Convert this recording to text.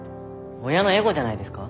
親のエゴじゃないですか？